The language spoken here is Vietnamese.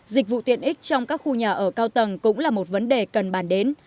dịch vụ tiện ích trong các khu nhà ở cao tầng cũng là một vấn đề cần bàn đến